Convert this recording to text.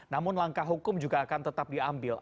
namun langkah hukum juga akan tetap diambil